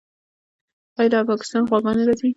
آیا له پاکستانه غواګانې راځي؟